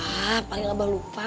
hah paling abah lupa